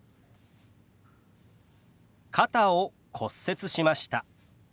「肩を骨折しました」。